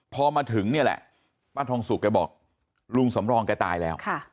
พอมาถึงเนี่ยแหละป้าทองสุกแกบอกลุงสำรองแกตายแล้ว